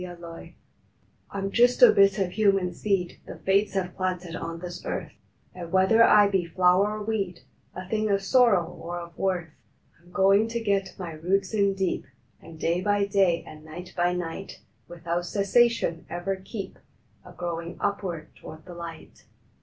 A RESOLVE I M just a bit o human seed The Fates have planted on this earth, And whether I be flower or weed, A thing of sorrow or of worth, I m goin to get my roots in deep, And day by day, and night by night, Without cessation ever keep A growin upward toward the light.